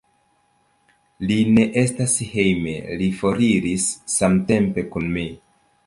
Li ne estas hejme; li foriris samtempe kun mi.